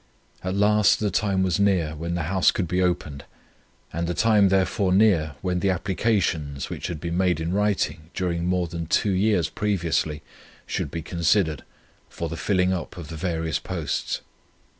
"At last the time was near when the house could be opened, and the time therefore near when the applications, which had been made in writing during more than two years previously, should be considered, for the filling up of the various posts.